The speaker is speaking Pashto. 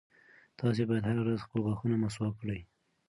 تاسي باید هره ورځ خپل غاښونه مسواک کړئ.